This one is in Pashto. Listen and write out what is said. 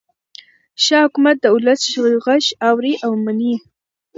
ښه حکومت د ولس غږ اوري او مني.